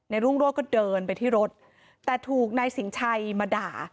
รุ่งโรธก็เดินไปที่รถแต่ถูกนายสิงชัยมาด่า